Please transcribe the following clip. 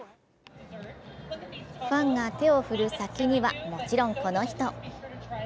ファンが手を振る先にはもちろん、この人。